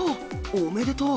おめでとう。